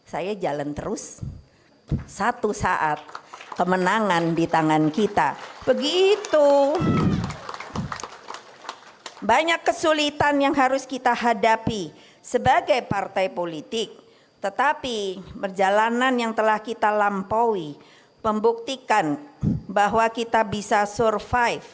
saya jalan terus satu saat kemenangan di tangan kita begitu banyak kesulitan yang harus kita hadapi sebagai partai politik tetapi berjalanan yang telah kita lampaui membuktikan bahwa kita bisa survive